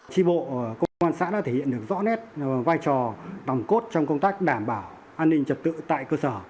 tri bộ công an xã đã thể hiện được rõ nét vai trò nồng cốt trong công tác đảm bảo an ninh trật tự tại cơ sở